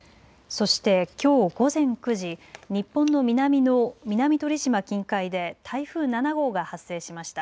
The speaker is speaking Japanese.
そしてきょう午前９時、日本の南の南鳥島近海で台風７号が発生しました。